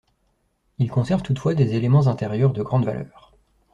Il conserve toutefois des éléments intérieurs de grande valeur.